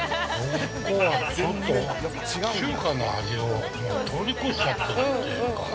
ここは、ちょっと中華の味を通り越しちゃってるというか。